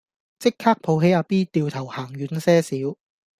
即刻抱起阿 B 掉頭行遠些少